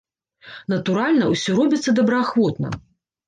Натуральна, усё робіцца добраахвотна.